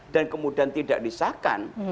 dan kemudian tidak disahkan